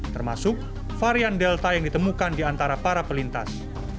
termasuk varian delta yang ditemukan di antara para pelintas